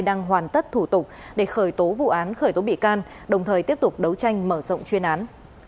đang hoàn tất thủ tục để khởi tố vụ án khởi tố bị can đồng thời tiếp tục đấu tranh mở rộng chuyên án